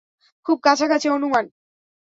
খুব কাছাকাছি অনুমান।